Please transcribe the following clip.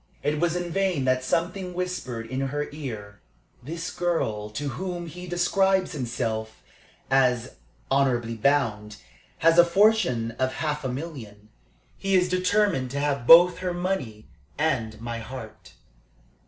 It was in vain that something whispered in her ear: "This girl to whom he describes himself as 'honorably bound' has a fortune of half a million. He is determined to have both her money and my heart."